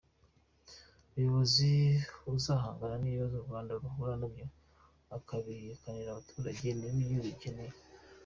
Umuyobozi uzahangana n’ibibazo u Rwanda ruhura nabyo akabihihibikanira abaturage ni we igihugu gikeneye.